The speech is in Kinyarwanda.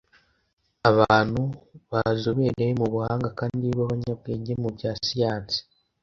Abantu bazobereye mu buhanga kandi b'abanyabwenge mu bya siyansi,